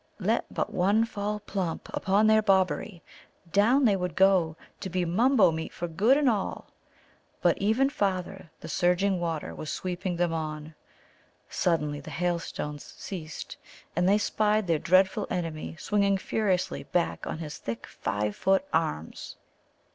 Let but one fall plump upon their Bobberie, down they would go to be Mumbo meat for good and all. But ever farther the surging water was sweeping them on. Suddenly the hailstones ceased, and they spied their dreadful enemy swinging furiously back on his thick five foot arms.